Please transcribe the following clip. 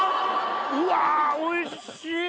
うわおいしい！